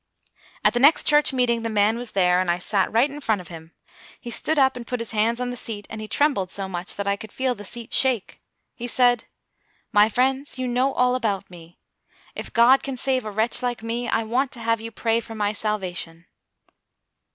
At the next church meeting the man was there, and I sat right in front of him. He stood up and put his hands on the seat, and he trembled so much that I could feel the seat shake. He said: "My friends, you know all about me; if God can save a wretch like me, I want to have you pray for my salvation."